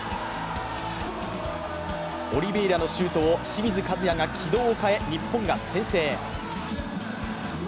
オリベイラのシュートを清水和也が軌道を変え、日本が先制。